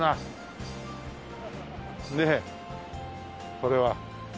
これは。